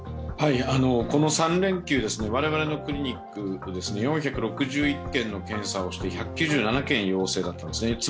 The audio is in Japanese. この３連休、我々のクリニック４６１件の検査をして１９７件陽性だったんですね。